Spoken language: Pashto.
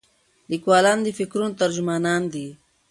لیکوالان د فکرونو ترجمانان دي.